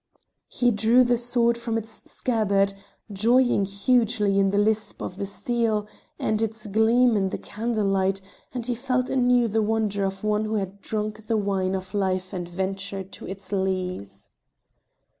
He drew the sword from its scabbard, joying hugely in the lisp of the steel, at its gleam in the candle light, and he felt anew the wonder of one who had drunk the wine of life and venture to its lees.